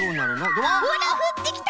ほらふってきた！